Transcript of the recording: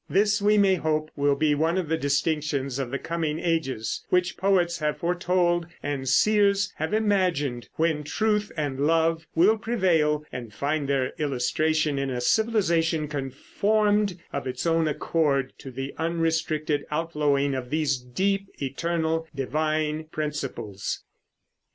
This we may hope will be one of the distinctions of the coming ages, which poets have foretold and seers have imagined, when truth and love will prevail and find their illustration in a civilization conformed of its own accord to the unrestricted outflowing of these deep, eternal, divine principles.